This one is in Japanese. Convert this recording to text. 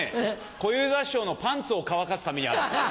小遊三師匠のパンツを乾かすためにあるんです。